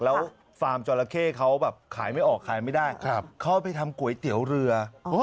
แล้วฟาร์มจราเข้เขาแบบขายไม่ออกขายไม่ได้เขาเอาไปทำก๋วยเตี๋ยวเรือ